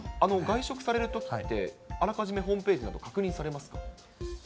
外食されるときってあらかじめホームページなどで確認されます？